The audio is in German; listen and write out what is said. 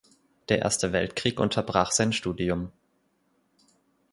Der Erste Weltkrieg unterbrach sein Studium.